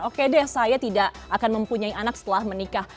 oke deh saya tidak akan mempunyai anak setelah menikah